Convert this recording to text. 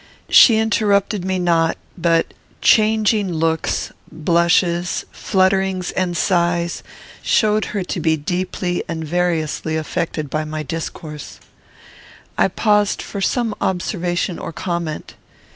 She interrupted me not, but changing looks, blushes, flutterings, and sighs, showed her to be deeply and variously affected by my discourse. I paused for some observation or comment.